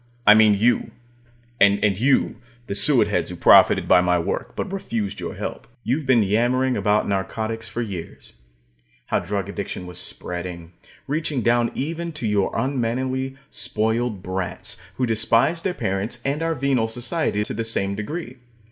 I mean you, and you the suetheads who profited by my work, but refused your help. You've been yammering about narcotics for years how drug addiction was spreading, reaching down even to your unmannerly, spoiled brats, who despise their parents and our venal society to the same degree.